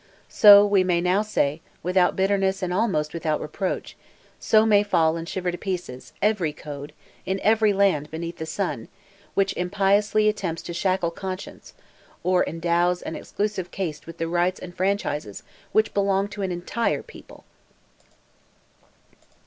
So, we may now say, without bitterness and almost without reproach, so may fall and shiver to pieces, every code, in every land beneath the sun, which impiously attempts to shackle conscience, or endows an exclusive caste with the rights and franchises which belong to an entire People!